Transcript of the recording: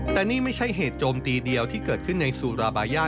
แต่นี่ไม่ใช่เหตุโจมตีเดียวที่เกิดขึ้นในซูราบาย่า